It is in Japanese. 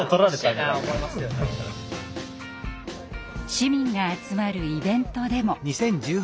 市民が集まるイベントでも。